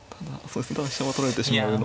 ただ飛車は取られてしまうので。